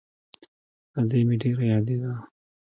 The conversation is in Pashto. ادې مې ډېره يادېده.